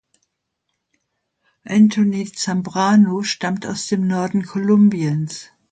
Anthony Zambrano stammt aus dem Norden Kolumbiens.